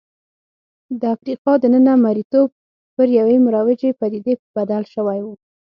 د افریقا دننه مریتوب پر یوې مروجې پدیدې بدل شوی و.